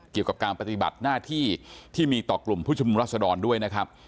เกี่ยวกับการปฏิบัติหน้าที่ที่มีต่อกลุ่มผู้ชุมนุมรัศดรด้วยนะครับ